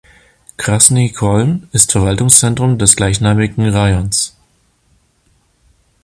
Krasny Cholm ist Verwaltungszentrum des gleichnamigen Rajons.